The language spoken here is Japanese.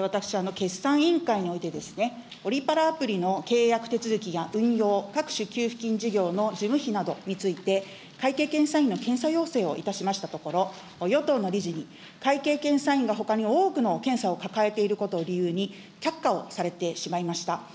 私は決算委員会において、オリパラアプリの契約手続きや運用、各種給付金事業の事務費などについて、会計検査院の検査要請をいたしましたところ、与党の理事に会計検査院が、ほかに多くの検査を抱えていることを理由に、却下をされてしまいました。